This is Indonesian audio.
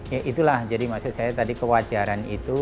ya itulah jadi maksud saya tadi kewajaran itu